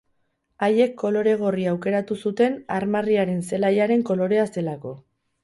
Haiek kolore gorria aukeratu zuten, armarriaren zelaiaren kolorea zelako.